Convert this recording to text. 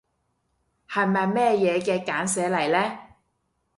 係咪咩嘢嘅簡寫嚟呢？